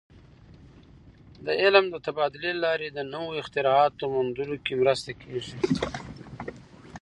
د علم د تبادلې له لارې د نوو اختراعاتو موندلو کې مرسته کېږي.